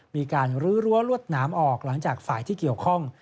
มีการลื้อรั้วรวดหนามออกหลังจากฝ่ายที่เกี่ยวข้อง